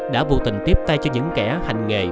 đã vô tình tiếp tay cho những kẻ hành nghề